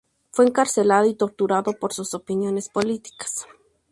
Fue encarcelado y torturado por sus opiniones políticas.